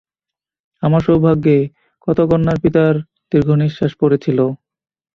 আমার সৌভাগ্যে কত কন্যার পিতার দীর্ঘনিশ্বাস পড়েছিল।